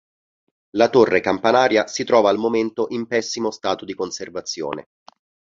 La torre campanaria si trova al momento in pessimo stato di conservazione.